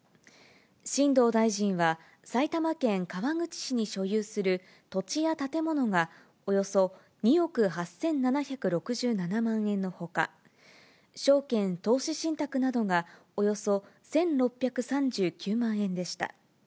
新藤大臣は、埼玉県川口市に所有する土地や建物が、およそ２億８７６７万円のほか、証券投資信託などがおよそ１６３９万円でした。